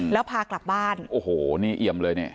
แล้วพากลับบ้านโอ้โหนี่เอี่ยมเลยเนี่ย